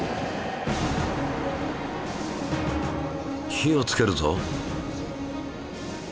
火をつけるぞ。